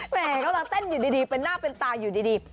กำลังเต้นอยู่ดีเป็นหน้าเป็นตาอยู่ดี